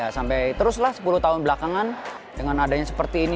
sampai teruslah sepuluh tahun belakangan dengan adanya seperti ini